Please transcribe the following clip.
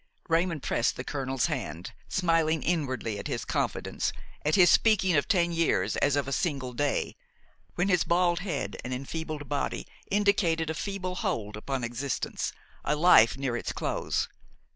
Raymon pressed the colonel's hand, smiling inwardly at his confidence, at his speaking of ten years as of a single day, when his bald head and enfeebled body indicated a feeble hold upon existence, a life near its close.